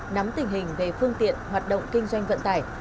nắm tình hình về phương tiện hoạt động kinh doanh vận tải